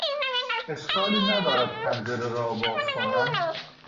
اشکالی ندارد پنجره را باز کنم؟